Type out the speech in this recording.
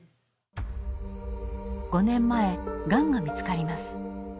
５年前がんが見つかります。